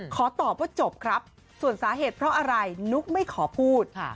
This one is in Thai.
ขอตอบว่าจบครับส่วนสาเหตุเพราะอะไรนุ๊กไม่ขอพูด